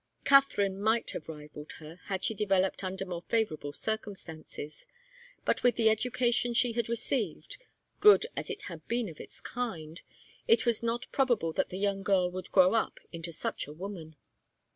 Katharine might have rivalled her, had she developed under more favourable circumstances. But with the education she had received, good as it had been of its kind, it was not probable that the young girl would grow up into such a woman.